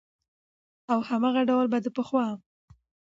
او هماغه ډول به د پخوا